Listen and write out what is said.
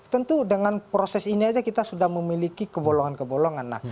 tentu dengan proses ini aja kita sudah memiliki kebolongan kebolongan